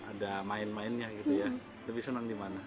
ada main mainnya gitu ya lebih senang di mana